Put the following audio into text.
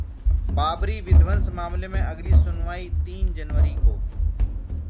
बाबरी विध्वंस मामले में अगली सुनवाई तीन जनवरी को